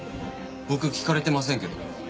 僕聞かれてませんけど。